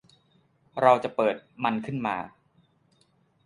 เราจะเปิดมันขึ้นมา